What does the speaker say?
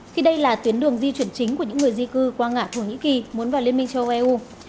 khi đây là tuyến đường di chuyển chính của những người di cư qua ngã thổ nhĩ kỳ muốn vào liên minh châu âu